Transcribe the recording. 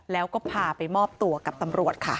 แล้วก็พาไปมอบตัวกับตำรวจค่ะ